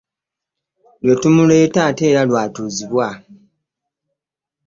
Lwe tumuleeta ate era lw'atuuzibwa.